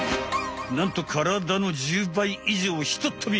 なんと体の１０倍以上ひとっ飛び！